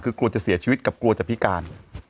คือกลัวจะเสียชีวิตกับกลัวจะพิการ